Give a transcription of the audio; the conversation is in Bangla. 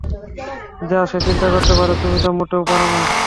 যা সে চিন্তা করতে পারে তুমি তা মোটেও পার না।